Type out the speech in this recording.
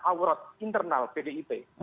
awarat internal pdip